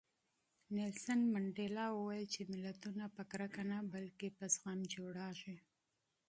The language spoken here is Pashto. منډېلا وویل چې ملتونه په نفرت نه بلکې په زغم جوړېږي.